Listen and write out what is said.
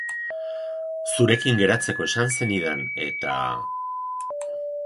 Zurekin geratzeko esan zenidan eta...